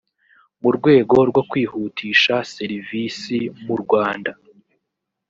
mu rwego rwo kwihutisha serivisi mu rwanda